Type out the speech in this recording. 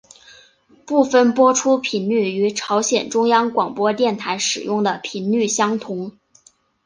部分播出频率与朝鲜中央广播电台使用的频率相同。